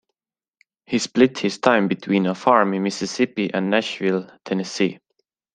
He split his time between a farm in Mississippi and Nashville, Tennessee.